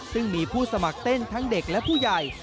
ซึ่งมีผู้สมัครเต้นทั้งเด็กและผู้ใหญ่